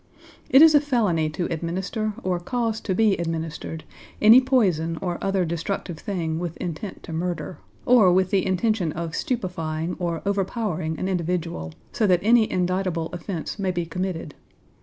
It is a felony to administer, or cause to be administered, any poison or other destructive thing with intent to murder, or with the intention of stupefying or overpowering an individual so that any indictable offence may be committed.